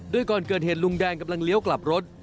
โดยก่อนเกิดเหตุลุงแดงกำลังเลี้ยวกลับรถ